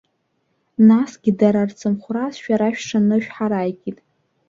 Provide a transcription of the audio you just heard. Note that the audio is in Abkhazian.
Насгьы дара рцымхәрас шәара шәшаны шәҳараикит.